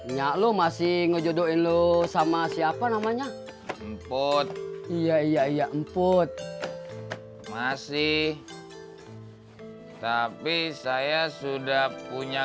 nyak lu masih ngejodohin lu sama siapa namanya emput iya iya emput masih tapi saya sudah punya